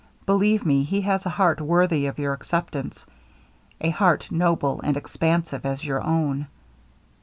Believe me he has a heart worthy of your acceptance a heart noble and expansive as your own.'